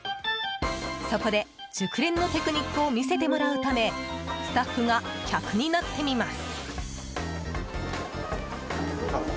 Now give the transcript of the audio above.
そこで、熟練のテクニックを見せてもらうためスタッフが客になってみます。